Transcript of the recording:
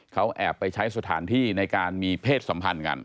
เขาแอบไปใช้สถานที่ในการมีเพศสัมพันธ์กัน